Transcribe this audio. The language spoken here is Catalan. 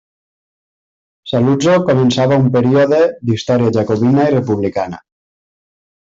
Saluzzo començava un període d'història jacobina i republicana.